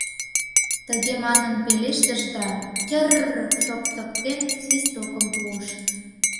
Тыге манын пелештыш да, тьыр-р-р! шоктыктен, свистокым пуыш.